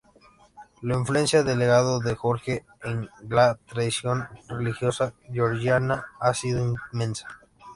La influencia del legado de Jorge en Gla tradición religiosa georgiana ha sido inmensa.